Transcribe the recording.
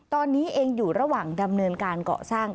ตอนนี้เองอยู่ระหว่างดำเนินการเกาะสร้าง